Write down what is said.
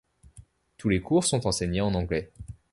Tous les cours sont enseignés en Anglais.